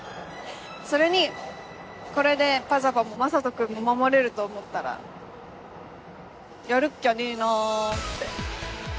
それにこれで「ｐａｚａｐａ」も雅人君も守れると思ったらやるっきゃねえなって。